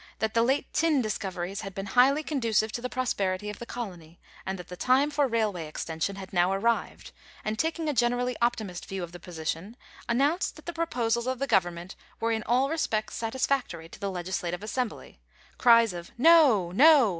that the late tin discoveries had been highly conducive to the prosperity of the colony, and that the time for railway ex tension had now arrived, and taking a generally optimist view of the position, announced that the proposals of the Government were in all respects satisfactory to the Legisla tive Assembly — (cries of * No — no